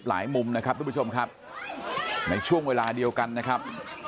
มุมนะครับทุกผู้ชมครับในช่วงเวลาเดียวกันนะครับ